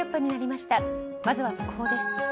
まずは速報です。